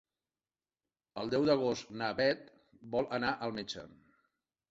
El deu d'agost na Beth vol anar al metge.